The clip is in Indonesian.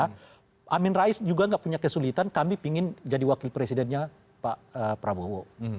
tapi juga nggak punya kesulitan kami ingin jadi wakil presidennya pak prabowo